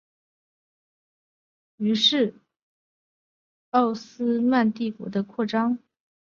于是腓特烈尝试鼓励俄罗斯向衰弱而无影响力的波兰扩张来代替向奥斯曼帝国的扩张。